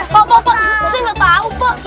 pak pak pak saya nggak tahu pak